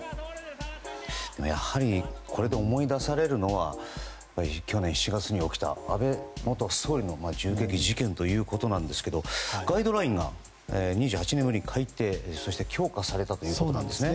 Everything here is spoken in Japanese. やはりこれで思い出されるのは去年７月に起きた安倍元総理の銃撃事件ということですがガイドラインが２８年ぶりに改訂そして強化されたということですね。